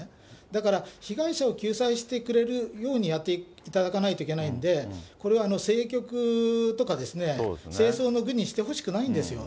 だから、被害者を救済してくれるようにやっていただかないといけないんで、これは政局とか、政争の具にしてほしくないんですよ。